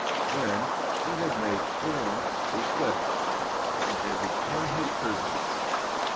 Then he had made form his fetish and it had become his prison.